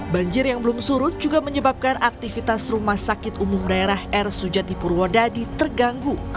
banjir yang belum surut juga menyebabkan aktivitas rumah sakit umum daerah r sujati purwodadi terganggu